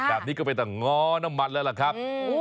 อันนี้ก็เป็นแต่ง้อน้ำมันแล้วล่ะครับ